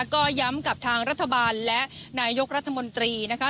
ก็ย้ำกับทางรัฐบาลและนายกรัฐมนตรีนะคะ